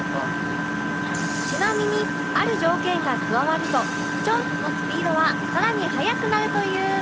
ちなみにある条件が加わるとチョンのスピードは更に速くなるという